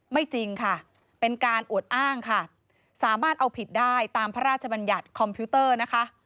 จริงค่ะเป็นการอวดอ้างค่ะสามารถเอาผิดได้ตามพระราชบัญญัติคอมพิวเตอร์นะคะ